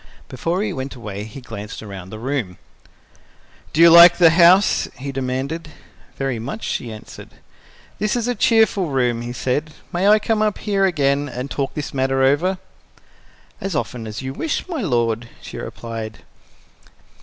Before he went away, he glanced around the room. "Do you like the house?" he demanded. "Very much," she answered. "This is a cheerful room," he said. "May I come here again and talk this matter over?" "As often as you wish, my lord," she replied.